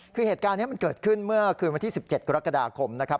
คือเหตุการณ์นี้มันเกิดขึ้นเมื่อคืนวันที่๑๗กรกฎาคมนะครับ